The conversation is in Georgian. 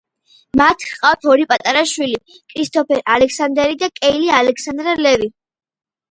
მათ ჰყავთ ორი პატარა შვილი: კრისტოფერ ალექსანდერი და კეილი ალექსანდრა ლევი.